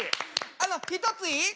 あの一ついい？